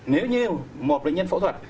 nếu như một lệnh nhân phẫu thuật